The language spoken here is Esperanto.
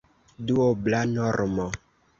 Duobla normo!